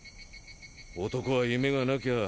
男は夢がなきゃあ